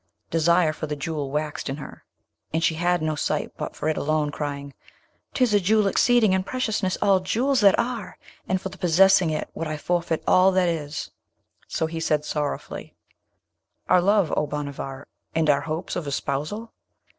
Desire for the Jewel waxed in her, and she had no sight but for it alone, crying, ''Tis a Jewel exceeding in preciousness all jewels that are, and for the possessing it would I forfeit all that is.' So he said sorrowfully, 'Our love, O Bhanavar? and our hopes of espousal?'